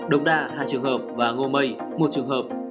đồng đa hai trường hợp và ngô mây một trường hợp